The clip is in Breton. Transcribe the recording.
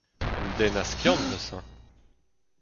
Un den a skiant neuze !